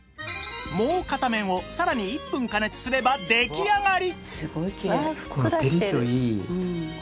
もう片面をさらに１分加熱すれば出来上がり！